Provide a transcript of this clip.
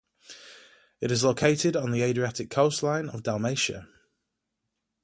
It is located on the Adriatic coastline of Dalmatia.